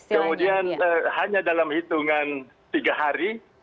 kemudian hanya dalam hitungan tiga hari